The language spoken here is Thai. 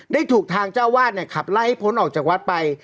ถูกทางเจ้าวาดเนี่ยขับไล่ให้พ้นออกจากวัดไป